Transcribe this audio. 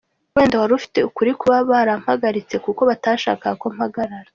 Wenda wari ufite ukuri kuba barampagaritse kuko batashakaga ko mpagaragara.